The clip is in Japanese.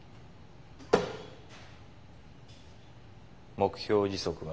目標時速は？